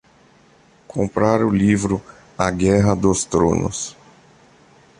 Comprar o livro A Guerra dos Tronos